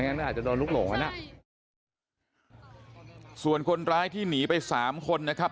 ไม่งั้นหนูอาจจะโดนลุกหลงไปนะใช่ส่วนคนร้ายที่หนีไปสามคนนะครับ